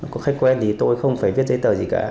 có khách quen thì tôi không phải viết giấy tờ gì cả